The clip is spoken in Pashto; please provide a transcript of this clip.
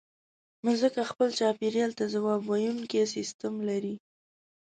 مځکه خپل چاپېریال ته ځواب ویونکی سیستم لري.